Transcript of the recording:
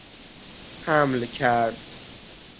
حمل کرد